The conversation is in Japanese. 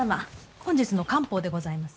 本日の官報でございます。